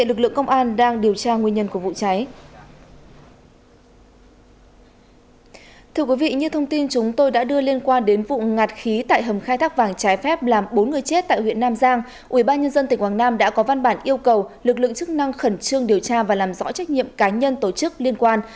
trước khi người chết tại huyện nam giang ủy ban nhân dân tỉnh quảng nam đã có văn bản yêu cầu lực lượng chức năng khẩn trương điều tra và làm rõ trách nhiệm cá nhân tổ chức liên quan